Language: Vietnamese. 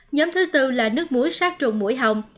nhóm thứ tư là nước muối sát trùng mũi hồng